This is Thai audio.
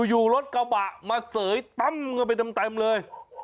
อยู่รถกระบะมาเสยตั้มเข้าไปเต็มเลย